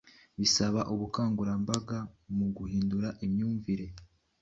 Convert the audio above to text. bisaba ubukangurambaga mu gihundura imyumvire.